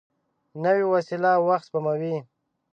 نوې وسېله وخت سپموي